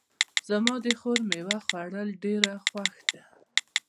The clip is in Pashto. زما د خور میوه خوړل ډېر خوښ ده